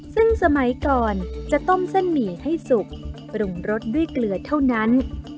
ซึ่งสมัยก่อนจะต้มเส้นหมี่ให้สุกปรุงรสด้วยเกลือเท่านั้น